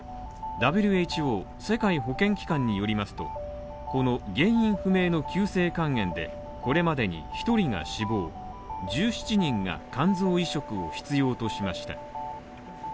ＷＨＯ＝世界保健機関によりますとこの原因不明の急性肝炎でこれまでに１人が死亡、１７人が肝臓移植を必要としました。